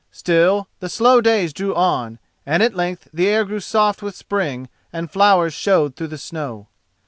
Still, the slow days drew on, and at length the air grew soft with spring, and flowers showed through the snow.